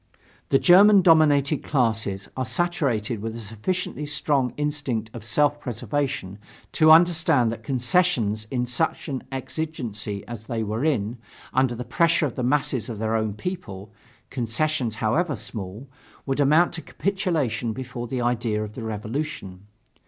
The German dominating classes are saturated with a sufficiently strong instinct of self preservation to understand that concessions in such an exigency as they were in, under the pressure of the masses of their own people concessions however small would amount to capitulation before the idea of the revolution.